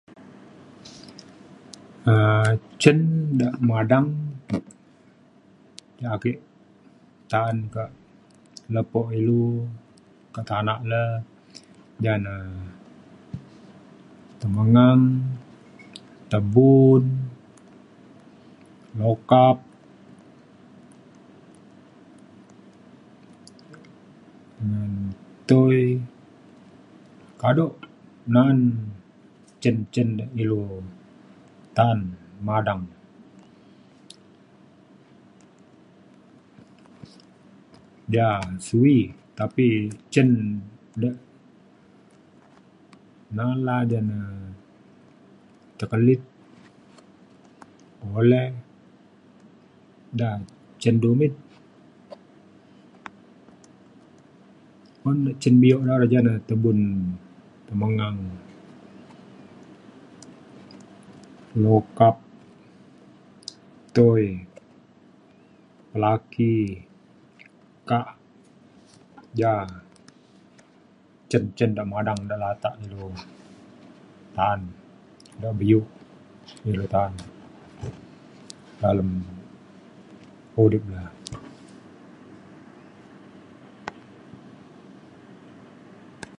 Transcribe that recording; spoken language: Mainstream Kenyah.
um cen da madang yak ake ta’an kak lepo ilu kak tanak le ja na temengang tebun mukap ngan tui kado na'an cin cin de ilu ta’an madang. ja suwi tapi cen de na laa ja na tekelit oleh da cen dumit. un da cen bio da jane tebun temengang mukap tui laki kak ja cen cen de madang de latak de ilu ta’an da bio ilu ta’an dalem udip le